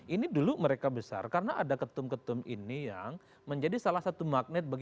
ini dulu mereka besar karena ada ketum ketum ini yang menjadi salah satu magnet